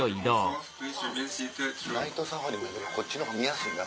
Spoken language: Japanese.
ナイトサファリこっちの方が見やすいな。